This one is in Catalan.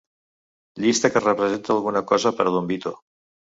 Llista que representa alguna cosa per a don Vito.